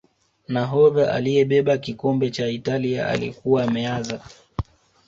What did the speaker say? nahodha aliyebeba kikombe cha italia alikuwa Meazza